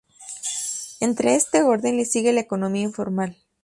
En este orden le sigue la economía informal.